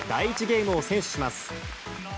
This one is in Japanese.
ゲームを先取します。